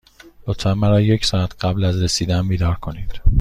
لطفا مرا یک ساعت قبل از رسیدن بیدار کنید.